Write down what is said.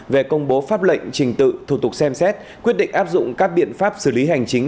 về công bố pháp lệnh trình tự thủ tục xem xét quyết định áp dụng các biện pháp xử lý hành chính